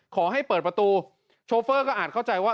ขอให้เปิดประตูโชเฟอร์ก็อาจเข้าใจว่า